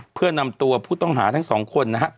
เพื่อนำตัวผู้ต้องหาทั้งสองคนนะฮะ